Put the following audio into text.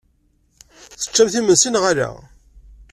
Teččamt imensi neɣ ala?